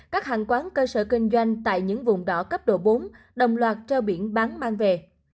các hàng quán cơ sở kinh doanh tại những vùng đỏ cấp độ bốn đồng loạt treo biển bán mang về